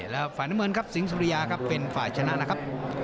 แล้วฝ่ายน้ำเงินครับสิงสุริยาครับเป็นฝ่ายชนะนะครับ